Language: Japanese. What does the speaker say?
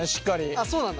あっそうなんだ。